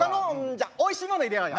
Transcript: じゃあおいしいもの入れようよ。